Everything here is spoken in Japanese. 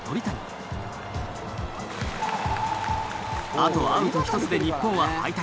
あとアウト１つで日本は敗退。